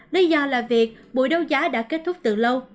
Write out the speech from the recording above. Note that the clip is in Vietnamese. lý do là việc buổi đấu giá đã kết thúc từ lâu